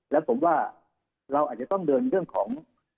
และผมว่าเราอาจจะต้องเดินเรื่องของ